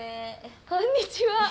こんにちは。